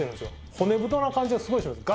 骨太な感じがすごいします。